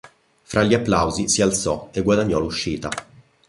Fra gli applausi si alzò e guadagnò l'uscita.